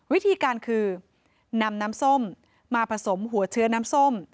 วิธีการคือนำน้ำส้มมาผสมหัวเชื้อน้ำส้ม